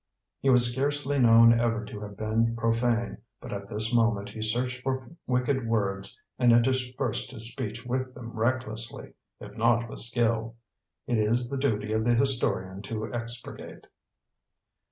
He was scarcely known ever to have been profane, but at this moment he searched for wicked words and interspersed his speech with them recklessly, if not with skill. It is the duty of the historian to expurgate.